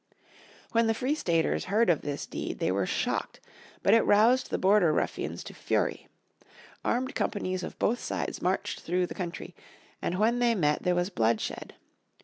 When the Free Staters heard of this deed they were shocked. But it roused the Border Ruffians to fury. Armed companies of both sides marched through the country, and when they met, there was bloodshed.